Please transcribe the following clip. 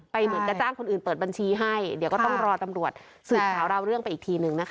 เหมือนจะจ้างคนอื่นเปิดบัญชีให้เดี๋ยวก็ต้องรอตำรวจสืบสาวราวเรื่องไปอีกทีนึงนะคะ